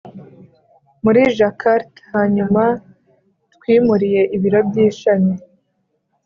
muri Jakarta Hanyuma twimuriye ibiro by ishami